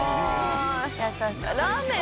優しいラーメン！